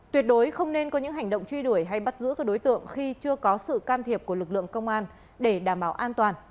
tuyệt đối không nên có những hành động truy đuổi hay bắt giữ các đối tượng khi chưa có sự can thiệp của lực lượng công an để đảm bảo an toàn